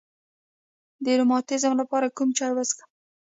د روماتیزم لپاره کوم چای وڅښم؟